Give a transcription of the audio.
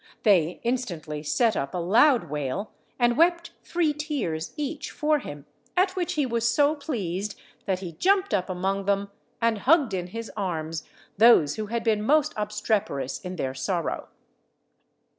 They instantly set up a loud wail, and wept three tears each for him; at which he was so pleased, that he jumped up among them, and hugged in his arms those who had been most obstreperous in their sorrow.